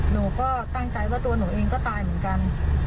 หนูก็ตั้งใจว่าตัวหนูเองก็ตายเหมือนกัน